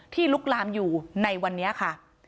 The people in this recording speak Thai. ลุกลามอยู่ในวันนี้ค่ะ